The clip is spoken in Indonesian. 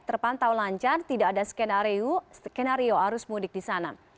terpantau lancar tidak ada skenario arus mudik di sana